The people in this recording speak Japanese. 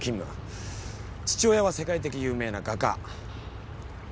父親は世界的有名な画家。